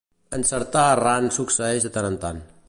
Encertar errant succeeix de tant en tant.